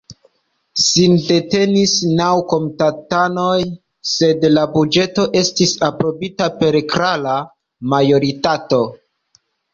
Sin detenis naŭ komitatanoj, sed la buĝeto estis aprobita per klara majoritato.